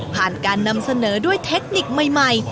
การนำเสนอด้วยเทคนิคใหม่